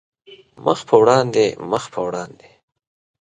مخ په وړاندې، مخ په وړاندې